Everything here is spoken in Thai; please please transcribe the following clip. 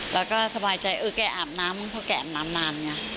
แล้วก็สบายใจเออแกอาบน้ำมั้งเพราะแกอาบน้ำนานไง